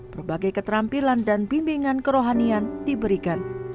berbagai keterampilan dan bimbingan kerohanian diberikan